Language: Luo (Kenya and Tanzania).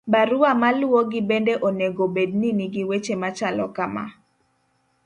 barua maluwogi bende onego bed ni nigi weche machalo kama